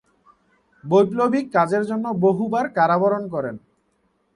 বৈপ্লবিক কাজের জন্য বহুবার কারাবরণ করেন।